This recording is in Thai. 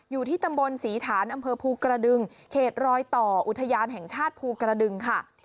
อยู่ที่ตำบลศรีฐานอำเภอภูกระดึงเขตรอยต่ออุทยานแห่งชาติภูกระดึงค่ะ